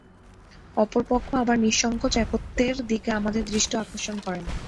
অপর পক্ষ আবার নিঃসঙ্কোচে একত্বের দিকে আমাদের দৃষ্টি আকর্ষণ করেন।